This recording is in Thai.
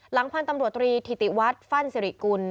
หลังพันธ์ตำรวจตรีธิติวัฒน์ฟั่นสิริกุล